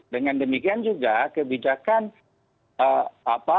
dengan demikian juga kebijakan apa